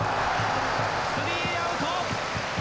スリーアウト！